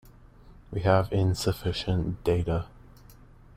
We have insufficient data.